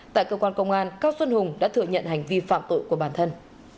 tại cơ quan công an cao xuân hùng đã thừa nhận hành vi phạm tội của bản thân